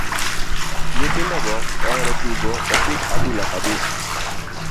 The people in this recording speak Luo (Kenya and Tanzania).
Nyithindo go oero tugo opich adhula kabisa.